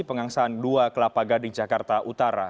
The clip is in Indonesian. pengangsaan dua kelapa gading jakarta utara